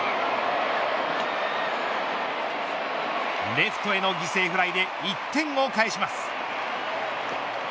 レフトへの犠牲フライで１点を返します。